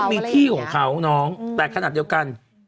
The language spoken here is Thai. มีที่ของเขาน้องแต่ขนาดเดียวกัน